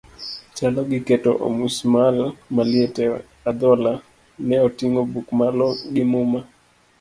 Chalo gi keto omusmual maliet e adhola, ne oting'o buk malo gi muma.